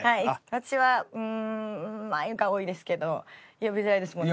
私はうーん麻衣が多いですけど呼びづらいですもんね？